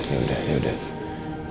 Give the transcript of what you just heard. ya yaudah yaudah